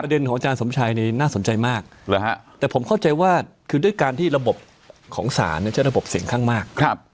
ของอาจารย์สมชัยนี่น่าสนใจมากแต่ผมเข้าใจว่าคือด้วยการที่ระบบของศาลใช้ระบบเสียงข้างมาก